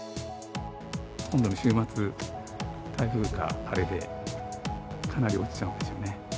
今度の週末、台風かあれで、かなり落ちちゃうんですよね。